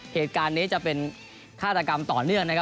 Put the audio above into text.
เหตุการณ์นี้จะเป็นฆาตกรรมต่อเนื่องนะครับ